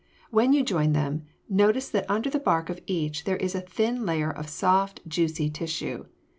When you join them, notice that under the bark of each there is a thin layer of soft, juicy tissue.